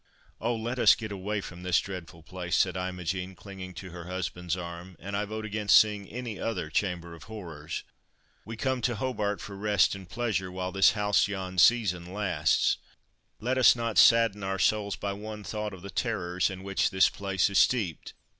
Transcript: "Oh! let us get away from this dreadful place!" said Imogen, clinging to her husband's arm, "and I vote against seeing any other Chamber of Horrors. We come to Hobart for rest and pleasure while this halcyon season lasts. Let us not sadden our souls by one thought of the terrors in which this place is steeped.